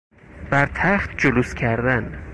بر تخت جلوس کردن